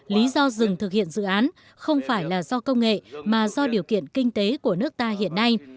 lý do dừng thực hiện dự án không phải là do công nghệ mà do điều kiện kinh tế của nước ta hiện nay